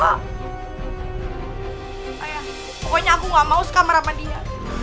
ayah pokoknya aku gak mau sekamar sama dia